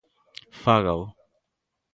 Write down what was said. Fágao.